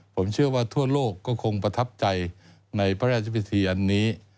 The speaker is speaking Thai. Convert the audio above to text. ผมเชื่อว่าทั่วโลกก็คงประทับใจในพระราชพิธีอันนี้